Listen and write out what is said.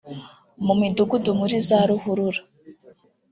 mu midugudu muri za ruhurura